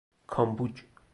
کامبوج